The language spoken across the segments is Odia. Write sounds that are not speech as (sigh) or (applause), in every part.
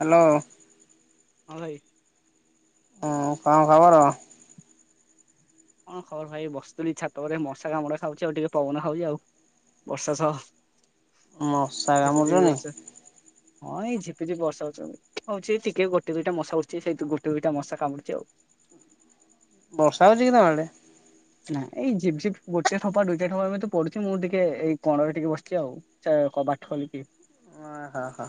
ହ୍ୟାଲୋ। ହଁ ଭାଇ। ହଁ କଣ ଖବର? କଣ ଖବର ଭାଇ ବସିଥିଲି ଛାତ ଉପରେ ମଶା କାମୁଡ଼ା ଖାଉଛି ଆଉ ଟିକେ ପବନ ଖାଉଛି ଆଉ ବର୍ଷା ସ ମଶା କାମୁଡୁଛନ୍ତି। ହଁ ଏଇ ଝିପି ଝିପି ବର୍ଷା ହଉଚି ଆଉ ହଉଛି ଟିକେ ଗୋଟେ ଦୁଇଟା ମଶା ଉଡୁଛି ସେଇ ଦୁ ଗୋଟେ ଦୁଇଟା ମଶା କାମୁଛି ଆଉ। ବର୍ଷା ହଉଚି କି ତମ ଆଡ଼େ? ନା ଏଇ ଝିପ୍ ଝିପ୍ ଗୋଟେ ଠୋପା ଦୁଇଟା ଠୋପା ଏମିତି ତ ପଢୁଛି ମୁଁ ଟିକେ ଏଇ କୋଣରେ ଟିକେ ବସିଛି ଆଉ। କବାଟ ଖୋଲିକି? ଅ ହ ହ।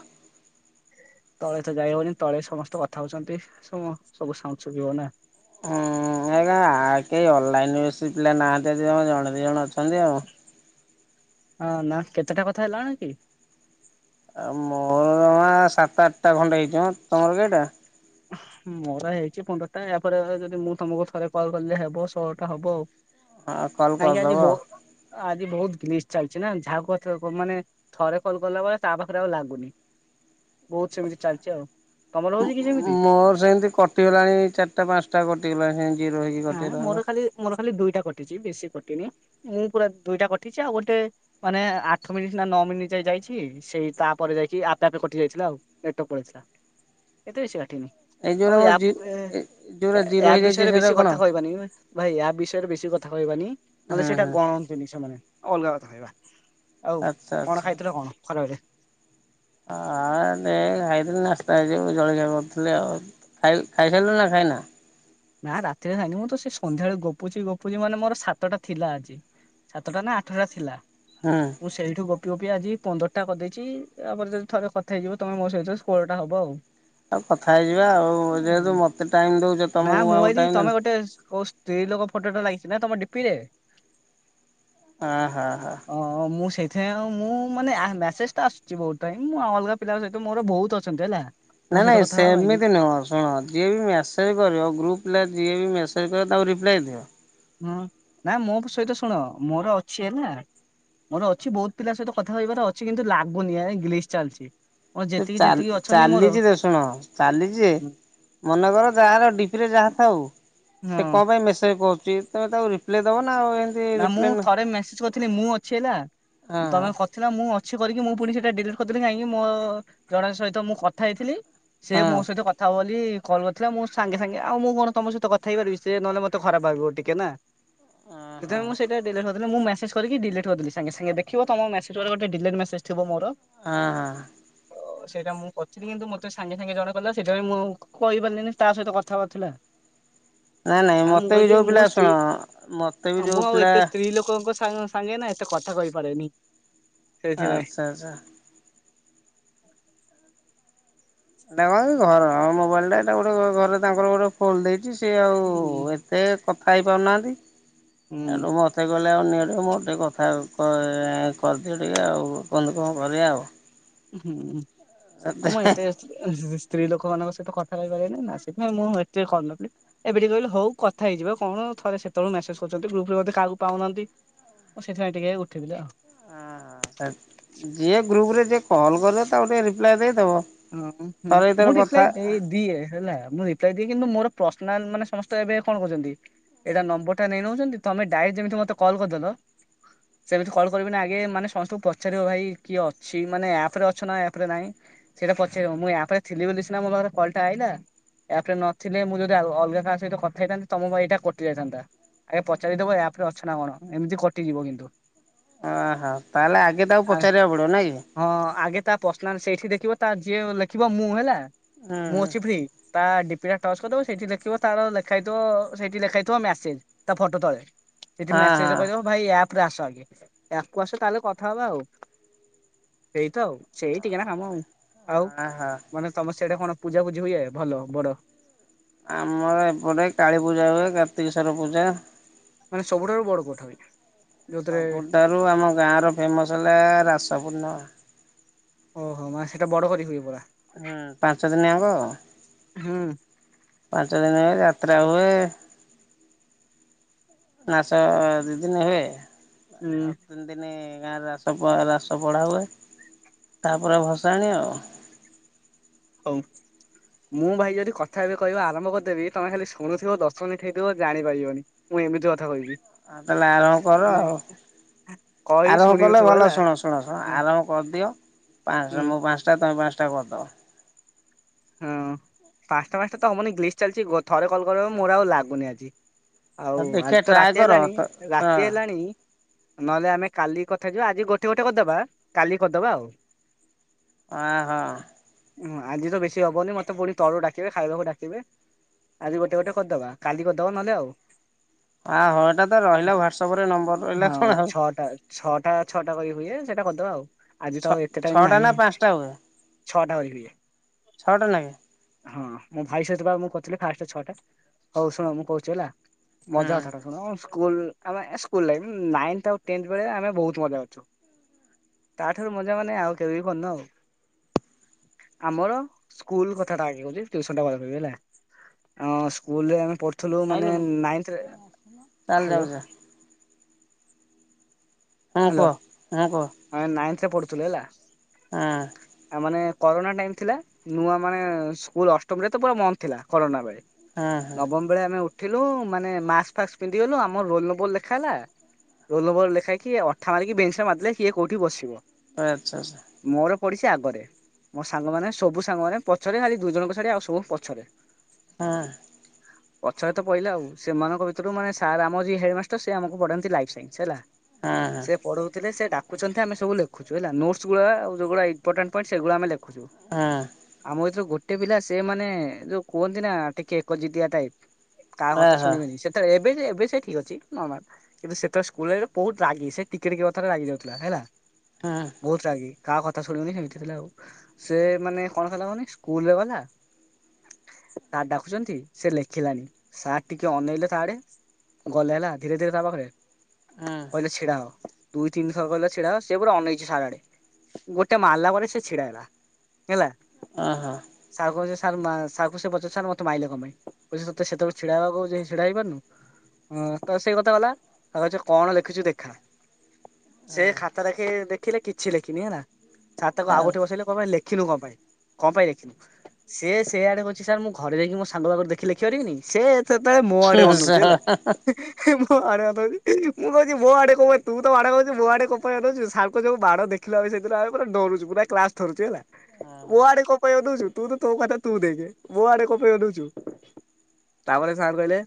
ତଳେ ତ ଯାଇ ହବନି ତଳେ ସମସ୍ତେ କଥା ହଉଛନ୍ତି ସବୁ ସବୁ ସାଉଣ୍ଡ ଶୁଭିବ ନା! ଉଁ ଏରା ଆ କେହି ଅଲଲାଇନ ବେଶୀ ପିଲା ନାହାନ୍ତି ଆଜି ଜମା ଜଣେ ଦି ଜଣ ଅଛ ଛନ୍ତି ଆଉ। ହଁ ନା କେତେଟା କଥା ହେଲଣି କି? ଆଉ ମୋର ଜମା ସାତ ଆଠଟା ଖଣ୍ଡେ ହେଇଥିବ ତମର କେଇଟା? ମୋର ହେଇଛି ପନ୍ଦରଟା ୟା ପରେ ଯଦି ମୁଁ ତମକୁ ଥରେ କଲ୍ କଲେ ହେବ ଷୋହଳଟା ହବ ଆଉ। ହଁ କଲ କାହିଁକି ଆଜି କରିଦବ? ବହୁ ଆଜି ବହୁତ ଗ୍ଲିଚ ଚାଲିଛି ନା ଯାହାକୁ କଥା କୁହ ମାନେ ଥରେ କଲ ଗଲା ପରେ ତା ପାଖରେ ଆଉ ଲାଗୁନି। ବହୁତ ସେମିତି ଚାଲିଛି ଆଉ ତମର ହଉଛି କି ସେମିତି? ମୋର ସେମିତି କଟିଗଲାଣି ଚାରିଟା ପାଞ୍ଚଟା କଟିଗଲା ସେମ ନା ମୋର ଖାଲି ମୋର ଖାଲି ଦୁଇଟା କ ଟିଚି ବେଶୀ କଟିନି ମୁଁ ପୁରା ଦୁଇଟା କଟିଛି ଆଉ ଗୋଟେ ମାନେ ଆଠ ମିନିଟ୍ ନା ନଅ ମିନିଟ୍ ଯାଏ ଯାଇ ହେଇଚି ସେଇ ତାପରେ ଯାଇକି ଆପେ ଆପେ କଟି ଯାଇଥିଲା ଆଉ ନେଟୱାର୍କ ପଳେଇଥିଲା ଏତେ ବେଶି କାଟିିନି। ଏଇ ଆଉ ଯୋଉରା ମୋ ୟା ଜି ପେ ଯୋଉରା ଜିରୋ ୟା ହେଇଯାଇଛି ବିଷୟରେ ସେଟା ବେଶୀ କ କଣ? କଥା କହିବାନି ଭାଇ ୟା ବିଷୟରେ ବେଶୀ କଥା କହିବାନି ନ ହୁଁ ହେଲେ ସେଇଟା ହୁଁ ଗଣନ୍ତିନି ସେମାନେ। ଅଲଗା କଥା କହିବା ଆଉ ଆଚ୍ଛା କଣ ଆଚ୍ଛା। ଖାଇଥିଲ କଣ ଖରାବେଳେ? ହଁ ଦେ ଖାଇଥିଲି ନାସ୍ତା ହେଇ ଯୋଉ ଜଳଖିଆ କରଥିଲି ଆଉ ଖାଇ ଖାଇସାରିଲୁଣି ନା ଖାଇ ହେଲା। ନା ରାତିରେ ଖାଇନି ମୁଁ ତ ସେ ସନ୍ଧ୍ୟାବେଳୁ ଗପୁଛି ଗପୁଛି ମାନେ ମୋର ସାତଟା ଥିଲା ଆଜି। ସାତଟା ନା ଆଠଟା ଥିଲା ହୁଁ ମୁଁ ସେଇଠୁ ଗପ୍ କ୍ୟୁକିଁ ଆଜି ପନ୍ଦରଟା କରିଦେଇଛି ତାପରେ ଯଦି ଥରେ କଥା ହେଇଯିବ ତମେ ମୋ ସହିତ ଷୋହଳଟା ହବ ଆଉ। ଆଉ କଥା ହେଇଯିବା ଆଉ ଯେହେତୁ ହୁଁ ମତେ ଟାଇମ ଦଉଛ ନା ତମକୁ ମୁଁ ଆଉ ଭାବିଲି ଟାଇମ୍ ଦେନି। ତମେ ଗୋଟେ କୋଉ ସ୍ତ୍ରୀ ଲୋକ ଫଟୋଟା ଲାଗିଛି ନା ତମ ଡିପିରେ ଅ ହ ହ ହ। ଏ ଆଉ ମୁଁ ମାନେ ଆ ମେସେଜ ତ ଆସୁଛି ବହୁତ ଟାଇମ୍ ମୁଁ ଅଲଗା ପିଲାଙ୍କ ସହିତ ମୋର ବହୁତ ଅଛନ୍ତି ହେଲା। ମୋ ନାଇଁ ସହିତ ନାଇଁ କଥା ହବା ପାଇଁ ସେମିତି ନୁହଁ ଶୁଣ ଯିଏ ବି ମ୍ୟାସେଜ କରିବ ଗ୍ରୁପଲେ ଯିଏ ବି ମେସେଜ୍ କରିବ ତାକୁ ରିପ୍ଲାଏ ଦିଅ। ହୁଁ ନା ମୋ ପୁ ସହିତ ଶୁଣ ମୋର ଅଛି ହେଲା। ମୋର ଅଛି ବହୁତ ପିଲା ସହିତ କଥା କହିବାର ଅଛି କିନ୍ତୁ ଲାଗୁନି ଆ ଗ୍ଲିଚ୍ ଚାଲିଛି। ମୋର ସେ ଯେତିକି ଚାଲ୍ ଯେତିକି ଅଛନ୍ତି ମୋର ଚାଲିଛି ତ ଶୁଣ ଚାଲିଛି ଯେ ମନେକର ଯାହାର ଡିପିରେ ଯାହା ଥାଉ ସେ ହଁ କଣ ପାଇଁ ମେସେଜ କରୁଚି ତମେ ତାକୁ ରିପ ନା ମୁଁ ଥରେ ମେସେଜ କରିଥିଲି ମୁଁ ଅଛି ହେଲା ହଁ ତମେ କରିଥିଲ ମୁଁ ଅ ଛି କରିକି ମୁଁ ପୁଣି ସେଇଟା ଡିଲଟ କରିଦେଲି କାହିଁକି ମୋ ଜଣଙ୍କ ସହିତ ମୁଁ କଥା ହେଇଥିଲି ସେ ହଁ ମୋ ସହିତ କଥା ହବ ବୋଲି କଲ୍ କରିଥିଲା ମୁଁ ସାଙ୍ଗେ ସାଙ୍ଗେ ଆଉ ମୁଁ କଣ ତମ ସହିତ କଥା ହେଇପାରିବି ସେ ନହେଲେ ମତେ ଖରାପ ଭାବିବ ଟିକେ ନା! ହଁ ହଁ ସେତେବେଳେ ମୁଁ ସେଇଟା ଡିଲିଟ କରିଦେଲି ମୁଁ ମ୍ୟା ମେସେଜ କରିକି ଡିଲିଟ କରିଦେଲି ସାଙ୍ଗେ ସାଙ୍ଗେ ଦେଖିବ ତମ ମେସେଜ୍ ପରେ ଗୋଟେ ଡିଲିଟ ମେସେଜ ଥିବ ମୋର ଆଁ ହାଁ। ତ ସେଇଟା ମୁଁ କରିଥିଲି କିନ୍ତୁ ମୋତେ ସାଙ୍ଗେ ସାଙ୍ଗେ ଜଣେ କଲା ସେଇଟା ବି ମୁଁ ଆଉ କହିପାରିଲିନି ତା ସହିତ କଥା ହବାର ଥିଲା। ନାଇଁ ନାଇଁ ଆଉ ମୁଁ ମତେ ବି କହିଲି ଯୋଉ ପିଲା ମୋ ସ୍ତ୍ରୀ ଶୁଣ ମତେ ବି ଆଉ ଯୋଉ ମୁଁ ଆଉ ପିଲା ଏତେ ସ୍ତ୍ରୀ ଲୋକ ଙ୍କ ସାଙ୍ଗ ସାଙ୍ଗେ ନା ଏତେ କଥା କହିପାରେନି। ସେଇଥିପାଇଁ ଆଚ୍ଛା ଆଚ୍ଛା। (inaudible) ନାଇଁ ମ ଘର ମୋବାଇଲ ଟା ଏଟା ଗୋଟେ ଘରେ ତାଙ୍କର ଗୋଟେ ଫୋନ ଦେଇ ଛି ଆଉ ହୁଁ ଏତେ କଥା ହେଇପାରୁ ନାହାନ୍ତି। ହୁଁ ସେଉଠୁ ମତେ କହିଲେ। କହିଲେ ଆଉ ନିଅ ଟିକେ ମୁଁ ଟିକେ କଥା କରିଦିଅ ଟିକେ ଆଉ କୁହନ୍ତୁ କଣ କରିବା ଆଉ। ହୁଁ (unintelligible) ସ୍ତ୍ରୀ ଲୋକମାନଙ୍କ ସହିତ କଥା କହିପାରିବା ନାଇଁ ନା ସେଥିପାଇଁ ମୁଁ ଏତ କରୁ ନଥିଲି। ଏବେ ଟିକ କହିଲି ହଉ କଥା ହେଇ ଯିବ କଣ ଥରେ ସେତେବେଳେ ମେସେଜ କରୁଛନ୍ତି। ଗ୍ରୁପରେ ମଧ୍ୟ କହାକୁ ପାଉନାହାନ୍ତି। ମୁଁ ସେଥିପାଇଁ ଟିକେ ଉଠେଇଥିଲି ଆଉ। ଯିଏ ଗ୍ରୁପ ରେ ଯିଏ କଲ୍ କଲେ ତାକୁ ଟିକେ ରିପ୍ଲାଏ ଦେ ହଁ ହୁଁ ମୁଁ ରିପ୍ଲାଇ ଦେଇ ଦିଏ ହେଲା ମୁଁ। ସେଇଠି କିନ୍ତୁ ମୋର ପର୍ସନାଲ ମାନେ ସମସ୍ତେ ଏବେ କଣ କରୁଛନ୍ତି? ଏଇଟା ନମ୍ବର ଟା ନେଇ ନେଉଛନ୍ତି। ତମେ ଡାଇ ଯେମିତି ମତେ କଲ କରିଦିଅନ୍ତ। ସେମିତି କଲ୍ କରିବନି। ଆଗେ ମାନେ ସମସ୍ତଙ୍କୁ ପଚାରିବ। ଭାଇ କିଏ ଅଛି ମାନେ ଆପ ରେ ଅଛ ନା ଆପ ରେ ନାଇଁ। ସେଇଟା ପଚାରବ ମୁଁ ଆପରେ ଥିଲି ବୋଲି ସିନା ମୋ ପାଖରେ କଲ୍ ଟା ଆଇଲା। ଏ ଆପ ରେ ନଥିଲେ ମୁଁ ଯଦି ଅଲଗା। କାହା ସହିତ କଥା ହେଇଥାନନ୍ତି ତମ ମୋ ଏଇଟା କଟି ଯାଇଥାନ୍ତା। ଆଗେ ପଚାରିଦବ ଏ ଆପ ରେ ଅଛ ନା କଣ ଏମିତି କଟିଯିବ କିନ୍ତୁ। (inaudible) ଓହୋ ତାହେଲେ ଆଗେ ତାକୁ ଆ ପଚାରିବାକୁ ପଡ଼ିବ ନାଇଁ କି? ହଁ ଆଗେ ତା ପର୍ସନାଲ ସେଇଠି ଦେଖିବ ତା ଯିଏ ଲେଖିବ। ମୁଁ ହେଲା ହୁଁ ମୁଁ ହୁଁ ଅଛି ଫ୍ରି ତା ସେଇଆ ଟଚ କରିଦବ ସେଠି ଦେଖିବ ତାର ଲେଖାହେଇଥିବ। ସେଇଠି ଲେଖାହେଇଥିବ ମ୍ୟାସିନ ତା ଫଟୋ ତଳେ। ସେଠି ହଁ ମେସେଜ ହଁ କରିବ ଭାଇ ଏ ଆପ୍ ରେ ଆସ ଆଗେ। ଆପ୍ କୁ ଆସ ତାହେଲେ କଥା ହବା ଆଉ। ସେଇତ ଆଉ ସେଇ ଟିକେ ନା କାମ ଆଉ। ଆଉ ହଁ ହଁ। ମାନେ ତମର ସେଇଟା କଣ ପୂଜା ପୂଜି ହୁଏ ଭଲ ବଡ଼? ଆମର ଏପଟେ କାଳୀ ପୂଜା ହୁଏ। କାର୍ତ୍ତିକେଶ୍ୱର ପୂଜା। ମାନେ ସବୁଠାରୁ ବଡ଼ କଥା ଆଜ୍ଞା। ସବୁଠାରୁ ଆମ ଗାଁ ର ଫେମସ୍ ହେଲା ରାସ ପୂର୍ଣ୍ଣିମା। ଓହୋ ମାନେ ସେଟା ବଡ଼ କରି ହୁଏ ପୁରା। ହୁଁ ପାଞ୍ଚ ଦିନ ହବ ହୁଁ ପାଞ୍ଚ ଦିନ ଯାତ୍ରା। (unintelligible) ନାଚ ଦି ଦିନି ହୁଏ ହୁଁ ଆଉ ତିନି ଦିନି ଗାଁରେ ରାସ ପ ରାସ ପ଼ାଢା ହୁଏ ତାପରେ ଭସାଣି ଆଉ। ହଉ। ମୁଁ ଭାଇ ଯଦି କଥା ଏବେ କହିବା। ଆରମ୍ଭ କରିଦେବି ତମେ ଖାଲି ଶୁଣୁଥିବ ଦଶମିନଟ ହେଇଥିବ। ଜାଣିପାରିବନି ମୁ ଏମିତି କଥା କହିବି। ଆଉ ତାହେଲେ ଆରମ୍ଭ କର ଏଁ ଆଉ। କହିବି ଆରମ୍ଭ କଲେ ଶୁଣିଉଥିବ ଭଲ ହେଲା ଶୁଣ ଶୁଣ ଶୁଣ ହୁଁ ଆରମ୍ଭ କରିଦିଅ। ହୁଁ ପାଞ୍ଚଟା ମୁଁ ପାଞ୍ଚଟା ତମେ ପାଞ୍ଚ ଟା କରିଦବ। ହଁ ପାଞ୍ଚଟା ପାଞ୍ଚଟା ତ ହବନି ଲିଷ୍ଟ ଚାଲିଛି। ଥରେ କଲ୍ କର ମୋର ଆଉ ଲାଗୁନି ଆଜି। ଆଉ ହଉ ଦେଖିବା ଆଜି ତ ଟ୍ରାଏ ରାତି କର ହେଲାଣି ତ ଶୁଣ। ରାତି ହେଲାଣି। ନହେଲେ ଆମେ କାଲି କଥାହେଇଯିବା ଆଜି ଗୋଟେ ଗୋଟେ କରିଦବା କାଲି କରିଦବା ଆଉ। ଓ ଆଁ ହଁ। ହୁଁ ଆଜି ତ ବେଶୀ ହବନି। ମତେ ପୁଣି ତଳୁ ଡାକିବେ ଖାଇବାକୁ ଡାକିବେ। ଆଜି ଗୋଟେ ଗୋଟେ କରିଦବା। କାଲି କରିଦବା ନହେଲେ ଆଉ। (inaudible) ଏଟା ତ ରହିଲା ହ୍ୱାଟ୍ସଆପରେ ନମ୍ବର ରହିଲା ହଁ କଣ ଆଉ। ଛଅଟା ଛଅଟା ଛଅଟା କରି ହୁଏ। ସେଇଟା କରିଦବା ଆଉ ଆଜି ଛ ତ ଏତେ ଟାଇମ ଛଅଟା ନା ନାହିଁ ପାଞ୍ଚଟା ହୁଏ ଛଅଟା ହୁଏ। ଛଅଟା ନାହିଁ। ହଁ ମୋ ଭାଇ ସହିତ ବା ମୁଁ କରିଥିଲି। ଫାଷ୍ଟ ଛଟା ହଉ ଶୁଣ ମୁଁ କହୁଛି ହେଲା। ହୁଁ ମଜା କଥା ଟା ଶୁଣ। ସ୍କୁଲ ଆମେ ସ୍କୁଲ ଲାଇଫ ନାଇନ୍ଥ ଟେନ୍ଥ ବେଳେ ଆମେ ବହୁତ ମଜା କରିଛୁ। ତାଠାରୁ ମଜା ମାନେ ଆଉ କେବେବି କରିନ ଆଉ। ଆମର ସ୍କୁଲ କ କଥା ଟା ଆଗେ (unintelligible) ସ୍କୁଲ ଆମେ ପଢୁ ଥିଲୁ ମାନେ ଖାଇଲୁଣୁ ନାଇଥ ରେ। ଚାଲ ହ୍ୟାଲୋ। ଯାଉଚ ହଁ ହ୍ୟାଲୋ କୁହ। ହଁ କୁହ। ଆମେ ନାଇନ୍ଥ ରେ ପଢୁଥିଲୁ ହେଲା। ହଁ। ଆ ମାନେ କରୋନା ଟାଇମ ଥିଲା। ନୂଆ ମାନେ ସ୍କୁଲ ଅଷ୍ଟମ ରେ ତ ପୁରା ବନ୍ଦ ଥିଲା। କରୋନା ବେଳେ। ହଁ ହଁ ନବମ ବେଳେ ଆମେ ଉଠିଲୁ। ମାନେ ମାସ୍ ଫାସ୍ ପିନ୍ଧି ଗଲୁ ଆମର ରୋଲ ନମ୍ୱର ଲେଖା ହେଲା। ରୋଲ ନମ୍ବ ଲେଖା ହେଇକି ଅଠା ମାରିକି ବେଞ୍ଚ ରେ ମାରିଦେଲେ କିଏ କୋଉଠି ବସିବ। ଆଚ୍ଛା। ପଡିଚି ଆଗରେ। ମୋ ସାଙ୍ଗମାନେ ସବୁ ସାଙ୍ଗ ମାନ ପଛରେ ଖାଲି ଦୁଇ ଜଣଙ୍କୁ ଛାଡି ଆଉ ସବୁ ପଛରେ। ହଁ। ପଛରେ ତ ପଇଲା ଆଉ। ସେମାନଙ୍କ ଭିତରୁ ମାନେ ସାର୍ ଆମ ଯିଏ ହେଡମାଷ୍ଟର ସେ ଆମକୁ ପଢାନ୍ତି ଲାଇଫ ସାଇନ୍ସ ହେଲା। ହଁ ହଁ ସେ ପଢଉଥିଲେ ସେ ଡା ଦେଖୁଛନ୍ତି ଯେ ଆମେ ସବୁ ଲେଖୁଚୁ ହେଲା। ନୋଟସ ଗୁରା ଆଉ ଯୋଉରା ଇମ୍ପୋଟାଣ୍ଟ ପଏଣ୍ଟ ସେଗୁଡା ଆମେ ଲେ ଖୁଚୁ। ଆମ କୁ ଯେତବେଳେ ଗୋ ଗୋଟେ ପିଲା ସେମାନେ ଯୋଉ କୁହନ୍ତି ନା ଟିକେ ଏକ ଯିତିଆ ଟାଇପ କାହା କଥା ଓହୋ ଶୁଣିବେନି। ସେତେବେଳେ ଏବେ ଏ ସେ ଠିକ୍ ଅଛି ନର୍ମାଲ। କିନ୍ତୁ ସେତେବେଳେ ସ୍କୁଲରେ ବହୁତ ରାଗି ସେ ଟିକେ ଟିକେ କଥାରେ ରାଗି ଯାଉଥିଲା ହେଲା। ହଁ ବହୁତ ରାଗି। କାହା କଥା ଶୁଣିବୁନ ସେମିତି ଥିଲା ଆଉ। ସେ ମାନେ କଣ ହେଇଥିଲା ମାନେ ସ୍କୁଲରେ ଗଲା ସାର୍ ଡାକୁଛନ୍ତି ସେ ଲେଖିଲାନି। ସାର୍ ଟିକେ ଅନେଇଲେ ତା ଆଡେ ଗଲେ ହେଲା ଧୀରେ ଧୀରେ ତା ପାଖରେ। ହଁ କହିଲେ ଛିଡ଼ା ହୋ। ଦୁଇ ତିନ ତାକୁ କହିଲେ ଛିଡା ହୋ। ସେ ପୁରା ଅନେଇଚି ସାର ଆଡେ। ଗୋଟେ ମାରିଲା ପରେ ସେ ଛିଡା ହେଲା। ହେଲା ଓହୋ ସାର୍ କହୁ ସାର୍ ସାର୍ କୁ ସେ ପଚାରୁଚି ସାର୍ ମୋତେ ମାଇଲେ କଣ ପାଇଁ। (unintelligible) ତତେ ସେତେବେଳୁ ଛିଡା ହବାକୁ କହୁଚି ଛିଡା ହେଇପାରୁନୁ। ହୁଁ ତ ସେଇ କଥା ଗଲା ତାକୁ କଣ ଲେଖିଚୁ ଦେଖା। ସେ ହଁ ଖାତା ଦେଖିଲେ କିଛି ଲେଖିନି ହେଲା। ସାର୍ ତାକୁ ଆଉ ଗୋଟେ ବସେଇଲେ। କଣ ପାଇଁ ଲେ ଖିନୁ କଣ ପାଇଁ? କଣ ପାଇଁ ଦେଖିନୁ। ସେ ସେଇଆଡେ କହୁଛି ସାର୍ ମୁଁ ଘରେ ଯାଇକି ମୋ ସାଙ୍ଗ ପାଖରୁ ଦେଖି ଲେଖିପାରିବିନି। ସେ ସେତେବେଳେ ମୋ ଆଡେ ଅନଉଛି ହେଲା। ମୋ ଆଡେ ଅନଉଚି। ମୁଁ କହୁଛି ମୋ ଆଡେ କଣ ପାଇଁ ତୁ ତ ମାଡ ଖାଉଚୁ ମୋ ଆଡେ କଣ ପାଇଁ ଅନଉଚୁ। ସାର୍ ଙ୍କ ଯୋଉ ମାଡ ଦେଖିଲା ମାନେ ସେଦିନ ଆମେ ପୁରା ଡରୁଚୁ ପୁରା କ୍ଲାସ ଥରୁଚି ହେଲା। ମୋ ଆଡେ କଣ ପେଇ ଅନଉଚୁ। ତୁ ତ ତୋ କଥା ତୁ ଦେଖ। ମୋ ଆଡେ କଣ ପେଇ ଅନଉଚୁ। ତାପରେ ସାର କହିଲେ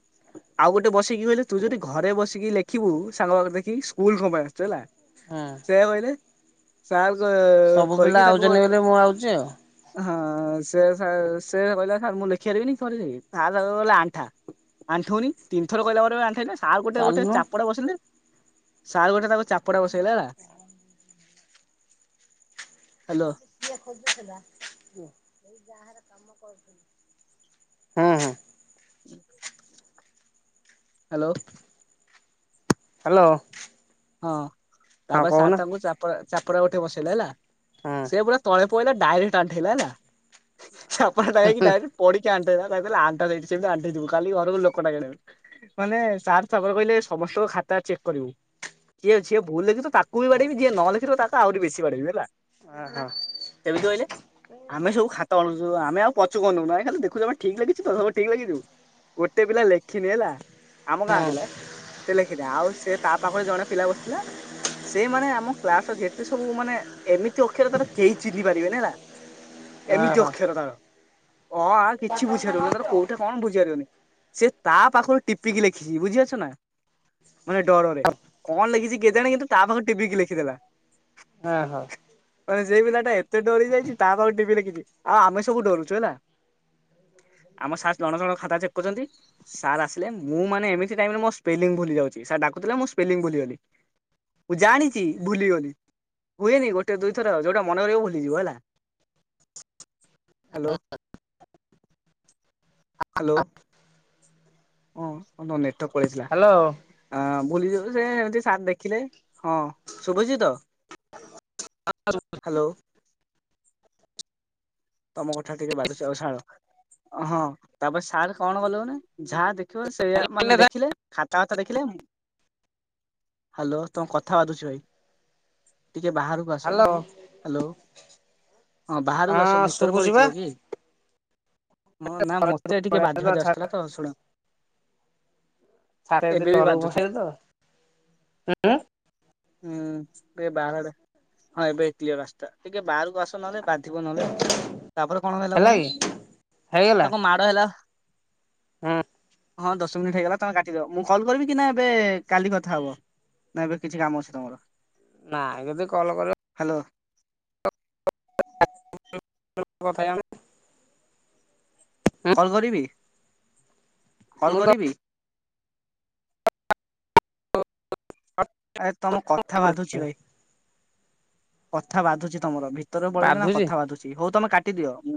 ଆଉ ଗୋଟେ ବସେଇକି କହିଲେ ତୁ ଯଦି ଘରେ ବସିକି ଲେଖିବୁ ସାଙ୍ଗ ପାଖରେ ଦେଖିକି ସ୍କୁଲ କଣ ପାଇଁ ଆସିଚୁ ହେଲା। ସେଇଆ କହିଲେ। ସାର ଡ ସବୁ ପିଲା କହିକି ତାକୁ ଆଉଚନ୍ତି ଗୋଟେ ବୋଲି ମୁଁ ଆଉଚି ଆଉ ହଁ ସେ ସାର୍ ସେ କହିଲା ସାର୍ ମୁଁ ଲେଖିପାରିବିନି। ସାର୍ ତାକୁ କହିଲେ ଆଣ୍ଠା। ଆଣ୍ଠଉନି। ତିନିଥର କହିଲା ପରେ ବି ଆଣ୍ଠେଇଲାନି। ଆଉ ଗୋଟେ ଗୋଟେ ଚାଲୁନୁ ଚାପୁଡା ବସେଇଲେ। ସାର୍ ଗୋଟେ ତାକୁ ଚାପୁଡା ବସେଇଲେ ହେଲା। ହ୍ୟାଲୋ (unintelligible) ହୁଁ ହୁଁ। (unintelligible) ହ୍ୟାଲୋ। ହ୍ୟାଲୋ। ହଁ ହଁ ତାପରେ ସାର୍ କହୁନ ତାଙ୍କୁ ଚାପୁଡ଼ା ଗୋଟେ ବସେଇଲେ ହେଲା। ହୁଁ ସେ ପୁରା ତଳେ ପଇଲା ଡାଇରେକ୍ଟ ଆଣ୍ଠେଇଲା ହେଲା। (unintelligible) ହେଇକି ଡାଇରେକ୍ଟ ପଡିକି ଆଣ୍ଠେଇଲା। ତାକୁ କହିଲେ ଆଣ୍ଠା ସେଇଠି ସେମିତି ଆଣ୍ଠେଇଥିବୁ। କାଲି ଘରକୁ ଲୋକ ଡାକିକି ଆଣିବୁ। ମାନେ ସାର୍ ତାପରେ କହିଲେ ସମସ୍ତଙ୍କ ଖା ତା ଚେକ୍ କରିବୁ। କିଏ ଯିଏ ଭୁଲ ଲେଖିଥିବ ତାକୁ ବି ବାଡେଇବି ଯିଏ ନ ଲେଖିଥିବ ତାକୁ ଆହୁରି ବେଶୀ ବାଡ଼େଇବି ହେଲା। ଆ ହଁ। କେମିତି କହିଲେ? ଆମେ ସବୁ ଖାତା ଅଣୁଛୁ, ଆମେ ଆଉ ପଛୁକୁ ଅନଉନୁ। ଆମେ ଖାଲି ଦେଖୁଛୁ ଆମେ ଠିକ ଲେଖିଚୁ ତ, ସବୁ ଠିକ ଲେଖିଚୁ। ଗୋଟେ ପିଲା ଲେଖିନି ହେଲା। ଆମ ଗାଁ ପିଲା, ଓହୋ ସେ ଲେଖିନି। ଆଉ ସେ ତା ପାଖରେ ଜଣେ ପିଲା ବସିଥିଲା, ସେଇ ମାନେ ଆମ କ୍ଲାସର ଯେତେ ସବୁ ମାନେ, ଏମିତି ଅକ୍ଷର ତାର କେହି ଚିହ୍ନି ପାରିବେନି ହେଲା ଏମିତି ଓହୋ ଅକ୍ଷର ତାର। ଅ ଆ କିଛି ବୁଝିପାରିବନି, ତାର କୋଉଟା କଣ ବୁଝିପାରିବନି। ସେ ତା ପାଖରୁ ଟିପିକି ଲେଖିଛି, ବୁଝିପାରୁଛ ନା, ମାନେ ଡରରେ। କଣ ଲେଖିଛି କେଜାଣି କିନ୍ତୁ ତା ପାଖରୁ ଟିପିକି ଲେଖିଦେଲା। ଆ ହ। ମାନେ ସେଇ ପିଲାଟା ଏତେ ଡରି ଯାଇଛି, ତା ପାଖରୁ ଟିପିକି ଲେଖିଛି। ଆଉ ଆମେ ସବୁ ଡରୁଛୁ ହେଲା। ହୁଁ ଆମ ସାର୍ ଜଣ ଜଣଙ୍କ ଖାତା ଚେକ୍ କରୁଛନ୍ତି, ସାର୍ ଆସିଲେ ମୁଁ ମାନେ ଏମିତି ଟାଇମ୍ ରେ ମୋ ସ୍ପେଲିଂ ଭୁଲି ଯାଉଛି। ସାର୍ ଡାକୁଥିଲେ ମୁଁ ସ୍ପେଲିଂ ଭୁଲିଗଲି। ମୁଁ ଜାଣିଛି, ଭୁଲିଗଲି। ହୁଏନି ଗୋଟେ ଦୁଇଥର ଯୋଉଟା ମନେ ରହିବ ଭୁଲିଯିବ ହେଲା। Hello hello. ହଁ ତମ ନେଟୱର୍କ ପଳେଇଥିଲା। ହ୍ୟାଲୋ ଆ ଭୁଲିଯାଉଛି ସେ ଟିକେ ସାର୍ ଦେଖିଲେ। ହଁ, ଶୁଭୁଚି ତ? ହ୍ୟାଲୋ। ତମ କଥା ଟିକେ ବାଧୁଛି ଆଉ ସାଳ। ହଁ ତାପରେ ସାର୍ କଣ କଲେ ମାନେ ଯାହା ଦେଖିବ ସେୟା ମାନେ ଦେଖିଲେ, ଖା ତା ତ ଦେଖିଲେ, ହ୍ୟାଲୋ ତମ କଥା ବାଧୁଛି ଭାଇ। ଟିକେ ବାହାରକୁ ଆସ ହ୍ୟାଲୋ ଭାଇ। ହ୍ୟାଲୋ। ହଁ ବାହାରକୁ ଆସ, ଭିତରେ ଶୁଭୁଚି ବା ପଳେଇଥିଲ କି? ହଁ ନା ମତେ ଟିକେ ବାଧି ବାଧି ଆସିଥିଲା ତ ଶୁଣ ସାରେ ଯଦି ଏବେ ବି (unintelligible) ବାଧୁଛି ମୁହଁରେ ତ ହୁଁ ହୁଁ ଏ ବାରଆଡ଼େ ହଁ ଏବେ କ୍ଲିୟର ଆସିଲା। ଟିକେ ବାହାରକୁ ଆସ ନହେଲେ ବାଧିବ ନହେଲେ ଆଉ। ତାପରେ କଣ ହେଲା କୁହନି? ହେଇଗଲା ତାକୁ ମାଡ ହେଲା। ହୁଁ। ହଁ ଦଶ ମିନିଟ୍ ହେଇଗଲା, ତମେ କାଟିଦବ। ମୁଁ କଲ୍ କରିବି କି ନା ଏବେ କାଲି କଥା ହବ? ନାଁ ଏବେ କିଛି କାମ ଅଛି ତମର? ନାଇଁ ଯଦି କଲ କରିବ ହ୍ୟାଲୋ। (unintelligible) ଆମେ କଲ କରିବି? କଲ ମୁଁ ତ କରିବି? ଆରେ ତମ କଥା ବାଧୁଛି ଭାଇ। କଥା ବାଧୁଛି ତମର। ଭିତରକୁ ପଳେଇଲ ନା କଥା ବାଧୁଛି। ହଉ ତମେ କାଟିଦିଅ, ମୁଁ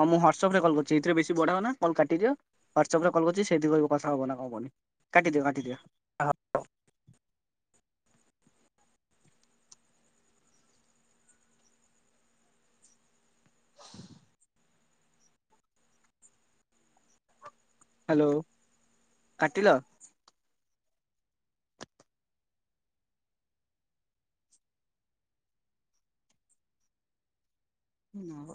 ହଁ ମୁଁ ହ୍ୱାଟ୍ସପରେ କଲ କରୁଛି। ଏଇଥିରେ ବେଶୀ ବଢ଼ାଅନା କଲ୍ କାଟିିଦିଅ, ହ୍ୱାଟସଆପରେ କଲ୍ କରୁଛି ସେଇଥିକହିବ କଥା ହବ ନା କଣ କୁହନି? କାଟିଦିଅ, କାଟିଦିଅ। ହ ହ୍ୟାଲୋ, କାଟିିଲ? ହେ ନାଁ ବା।